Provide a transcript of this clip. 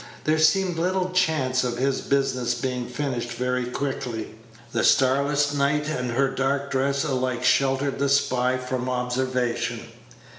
There seemed little chance of his business being finished very quickly. The starless night and her dark dress alike sheltered the spy from observation.